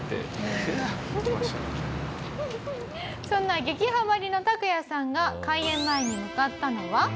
「そんな激ハマリのタクヤさんが開演前に向かったのは？」